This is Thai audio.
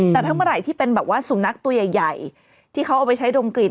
แต่ถ้าเมื่อไหร่ที่เป็นแบบว่าสุนัขตัวใหญ่ที่เขาเอาไปใช้ดมกลิ่น